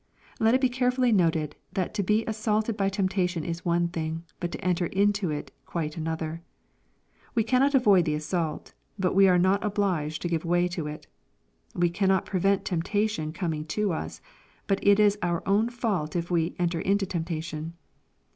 ] Let it be carefully noted, that to be assaulted by temptation is one thing, but to enter into it quite another. We cannot avoid tlie assault, but we ar« not obliged to give way to it. We cannot prevent temptation coming to us, but it is our own fault if we " enter into temptation.'